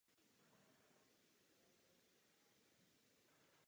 Reflexe se k nim vrací a pracuje s nimi.